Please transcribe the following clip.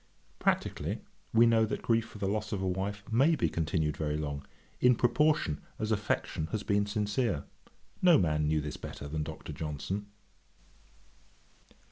Practically, we know that grief for the loss of a wife may be continued very long, in proportion as affection has been sincere. No man knew this better than Dr. Johnson.